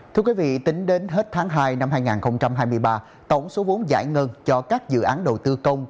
thưa quý vị tính đến hết tháng hai năm hai nghìn hai mươi ba tổng số vốn giải ngân cho các dự án đầu tư công